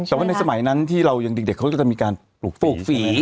แต่ว่าในสมัยนั้นที่เรายังเด็กเขาก็จะมีการปลูกฝี